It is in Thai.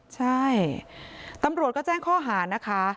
ใช่ตำรวจก็แจ้งข้อหานะคะ